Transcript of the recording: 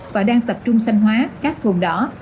và đang tập trung xanh hóa các vùng đỏ